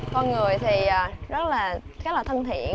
con người thì rất là thân thiện